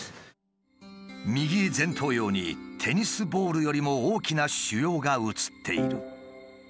右前頭葉にテニスボールよりも大きな腫瘍が写っている。